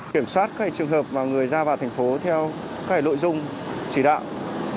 kiểm soát các trường hợp mà người ra vào thành phố theo nội dung chỉ đạo